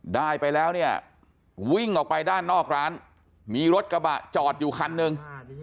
ได้ไปแล้วเนี่ยวิ่งออกไปด้านนอกร้านมีรถกระบะจอดอยู่คันหนึ่ง